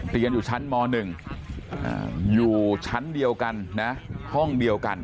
เปลี่ยนอยู่ชั้นมหนึ่งอ่าอยู่ชั้นเดียวกันนะห้องเดียวกัน